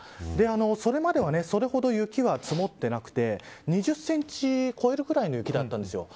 それまではそれほど雪は積もってなくて２０センチを超えるぐらいの雪だったんですよ。